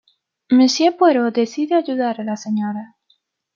Monsieur Poirot decide ayudar a la Sra.